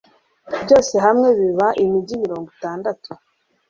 byose hamwe biba imigi mirongo itandatu